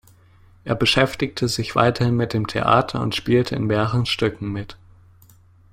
Er beschäftigte sich weiterhin mit dem Theater und spielte in mehreren Stücken mit.